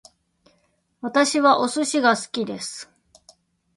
私はお寿司が好きです